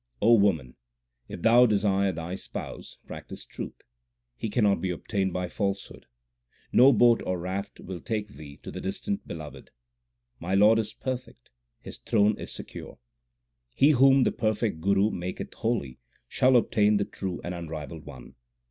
O woman, if thou desire thy Spouse, practise truth. He cannot be obtained by falsehood. No boat or raft will take thee to the distant Beloved. My Lord is perfect ; His throne is secure. He whom the perfect Guru maketh holy, shall obtain the True and unrivalled One.